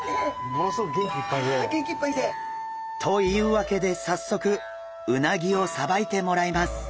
ものすごく元気いっぱいで。というわけで早速うなぎをさばいてもらいます。